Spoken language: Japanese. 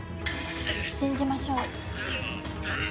信じましょう。